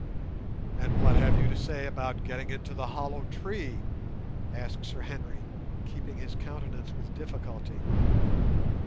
"And what have you to say about getting into the hollow tree?" asked Sir Henry, keeping his countenance with difficulty.